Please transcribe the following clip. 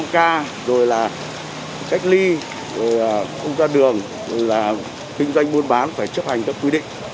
năm k rồi là cách ly rồi là không ra đường rồi là kinh doanh buôn bán phải chấp hành các quy định